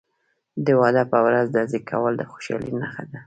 د واده په ورځ ډزې کول د خوشحالۍ نښه ده.